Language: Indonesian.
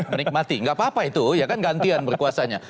menikmati nggak apa apa itu ya kan gantian berkuasanya